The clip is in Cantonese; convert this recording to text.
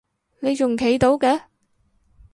你仲企到嘅？